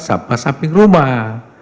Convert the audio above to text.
sampah samping rumah